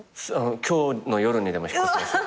今日の夜にでも引っ越せますよ。